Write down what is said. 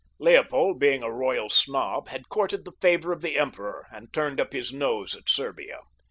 Leopold, being a royal snob, had courted the favor of the emperor and turned up his nose at Serbia.